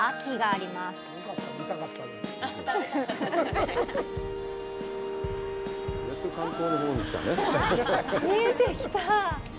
あ、見えてきた。